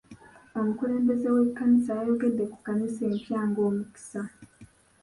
Omukulembeze w'ekkanisa yayogedde ku kkanisa empya ng'omukisa.